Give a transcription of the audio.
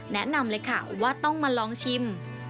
ขนมเลยค่ะว่าต้องมาลองชิม